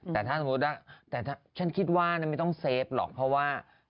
แต่ถ้าสมมุติว่าแต่ถ้าฉันคิดว่าไม่ต้องเซฟหรอกเพราะว่า